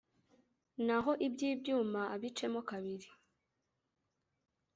naho iby`ibyuma abicemo kabiri.